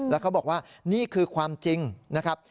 แล้วเขาบอกว่านี่คือความจริงนะครับ